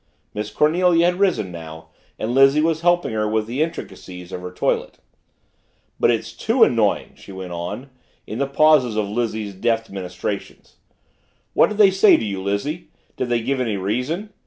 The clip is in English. Miss Cornelia had risen now and Lizzie was helping her with the intricacies of her toilet. "But it's too annoying," she went on, in the pauses of Lizzie's deft ministrations. "What did they say to you, Lizzie did they give any reason?